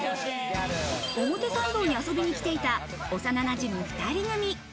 表参道に遊びに来ていた幼なじみ２人組。